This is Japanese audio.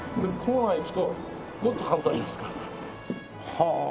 はあ！